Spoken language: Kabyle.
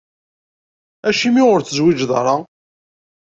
Acimi ur tezwiǧeḍ ara?